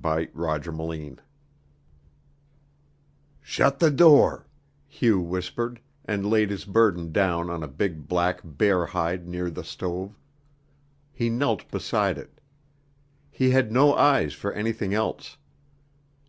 CHAPTER III "Shut the door," Hugh whispered, and laid his burden down on a big black bear hide near the stove. He knelt beside it. He had no eyes for anything else.